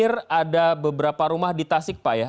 terakhir ada beberapa rumah di tasik pak ya